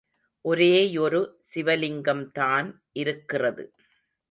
ஒரேயொரு சிவலிங்கம்தான் இருக்கிறது.